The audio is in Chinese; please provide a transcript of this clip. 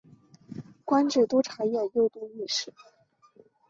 官至都察院右都御史。